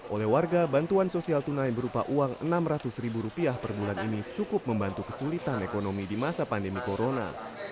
oleh warga bantuan sosial tunai berupa uang rp enam ratus per bulan ini cukup membantu kesulitan ekonomi di masa pandemi corona